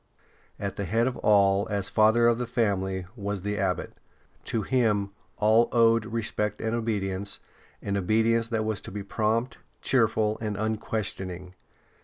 At the head of all, as father of the family, was the Abbot. To him all owed respect and obedience, an obedience that was to be prompt, cheerful, and unquestioning.